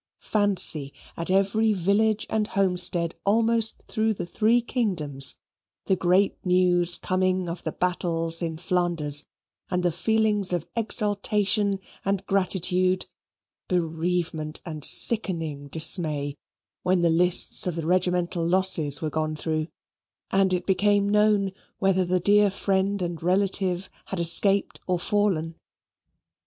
Fancy, at every village and homestead almost through the three kingdoms, the great news coming of the battles in Flanders, and the feelings of exultation and gratitude, bereavement and sickening dismay, when the lists of the regimental losses were gone through, and it became known whether the dear friend and relative had escaped or fallen.